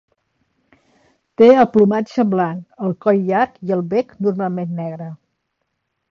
Té el plomatge blanc, el coll llarg i el bec normalment negre.